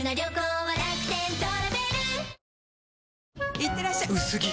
いってらっしゃ薄着！